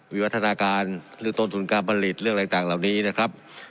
วิวัฒนาการหรือต้นทุนการผลิตเรื่องอะไรต่างเหล่านี้นะครับ